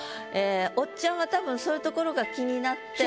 おっちゃんはたぶんそういうところが気になって。